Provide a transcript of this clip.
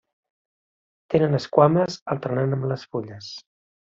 Tenen esquames, alternant amb les fulles.